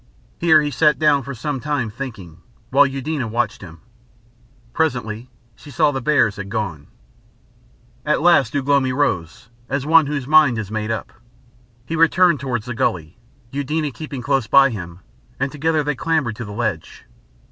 Here he sat down for some time thinking, while Eudena watched him. Presently she saw the bears had gone. At last Ugh lomi rose, as one whose mind is made up. He returned towards the gully, Eudena keeping close by him, and together they clambered to the ledge.